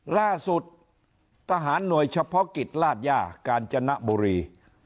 ล่าสุดทหารหน่วยเฉพาะกิจลาดย่ากาญจนบุรี